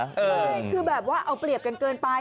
เออคือแบบว่าเอาเปรียบเกินไป